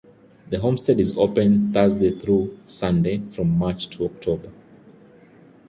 The Homestead is open Thursday through Sunday from March - October.